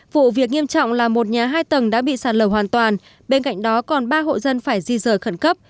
vụ việc nghiêm trọng là một nhà hai tầng đã bị sạt lở hoàn toàn bên cạnh đó còn ba hộ dân phải di rời khẩn cấp